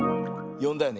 よんだよね？